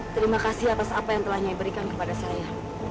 terima kasih atas apa yang telah ia berikan kepada saya